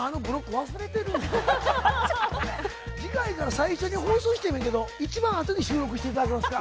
次回から最初に放送してもいいけど一番後に収録していただけますか？